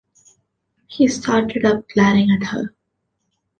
He started up, glaring at her.